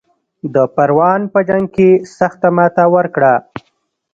د پروان په جنګ کې سخته ماته ورکړه.